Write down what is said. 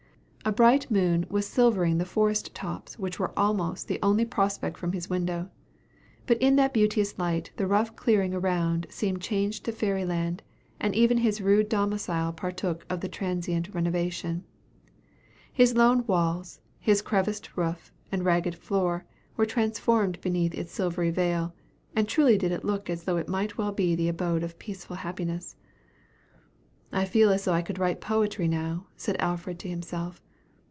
A bright moon was silvering the forest tops, which were almost the only prospect from his window; but in that beauteous light the rough clearing around seemed changed to fairy land; and even his rude domicile partook of the transient renovation. His lone walls, his creviced roof, and ragged floor, were transformed beneath that silvery veil; and truly did it look as though it might well be the abode of peaceful happiness. "I feel as though I could write poetry now," said Alfred to himself.